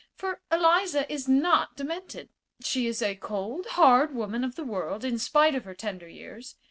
For Eliza is not demented. She is a cold, hard woman of the world, in spite of her tender years.